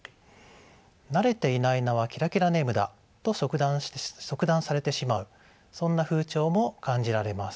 慣れていない名はキラキラネームだと即断されてしまうそんな風潮も感じられます。